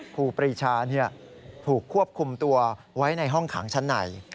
ครูปรีชาถูกควบคุมตัวไว้ในห้องขังชั้นใน